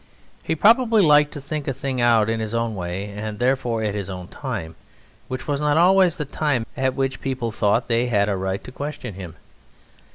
He probably liked to think a thing out in his own way and therefore at his own time, which was not always the time at which people thought they had a right to question him.